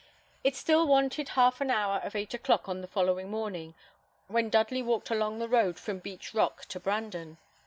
It still wanted half an hour of eight o'clock on the following morning, when Dudley walked along the road from Beach Rock to Brandon.